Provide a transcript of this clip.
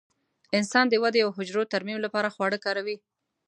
انسان د ودې او حجرو ترمیم لپاره خواړه کاروي.